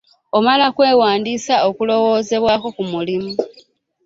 Omala kwewandiisa okulowoozebwako ku mulimu.